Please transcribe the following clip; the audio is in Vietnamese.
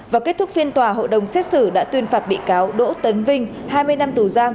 và kết thúc phiên tòa hội đồng xét xử đã tuyên phạt bị cáo đỗ tấn vinh hai mươi năm tù giam